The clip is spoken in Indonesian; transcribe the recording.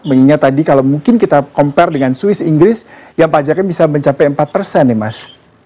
mengingat tadi kalau mungkin kita compare dengan swiss inggris yang pajaknya bisa mencapai empat persen nih mas